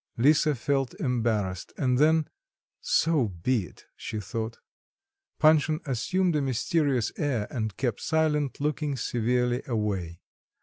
Lisa felt embarrassed, and then "so be it!" she thought. Panshin assumed a mysterious air and kept silent, looking severely away.